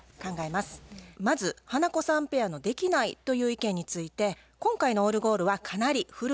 まず花子さんペアのできないという意見について今回のオルゴールはかなり古いものでした。